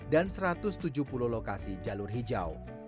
dan satu ratus tujuh puluh lokasi jalur hijau